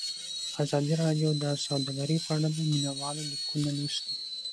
ازادي راډیو د سوداګري په اړه د مینه والو لیکونه لوستي.